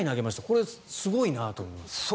これ、すごいなと思いますが。